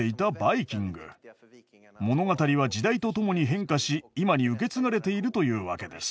物語は時代とともに変化し今に受け継がれているというわけです。